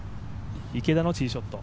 池田のティーショット。